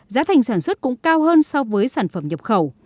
giá thành sản xuất cũng cao hơn so với sản phẩm nhập khẩu